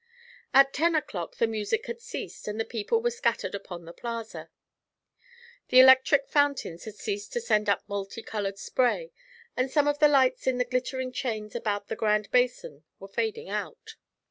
At ten o'clock the music had ceased, and the people were scattered upon the Plaza. The electric fountains had ceased to send up multi coloured spray, and some of the lights in the glittering chains about the Grand Basin were fading out.